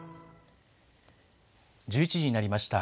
１１時になりました。